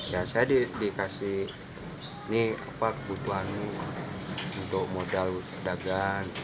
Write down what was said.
ya saya dikasih ini kebutuhanmu untuk modal perdagangan